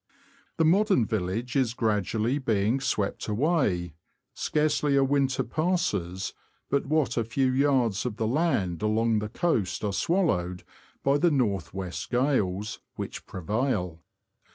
The modern village is gradually being swept away ; scarcely a winter passes but what a few yards of the land along the coast are swallowed by the north west gales which prevail.